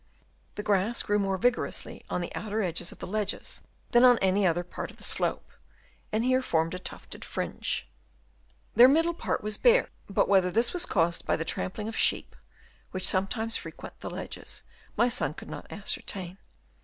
The grass grew more vigorously on the outer edges of the ledges than on any other part of the slope, and here formed a tufted fringe. Their middle part was bare, but whether this had been caused by the trampling of sheep, which sometimes frequent the ledges, my son could not ascertain.